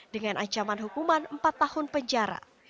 dengan ancaman hukuman empat tahun penjara